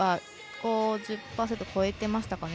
５０％を超えていましたかね。